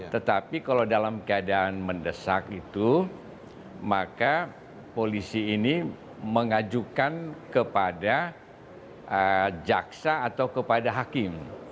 tetapi kalau dalam keadaan mendesak itu maka polisi ini mengajukan kepada jaksa atau kepada hakim